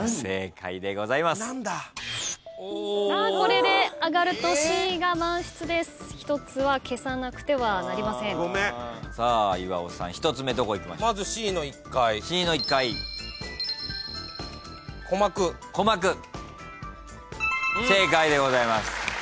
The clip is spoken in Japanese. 正解でございます。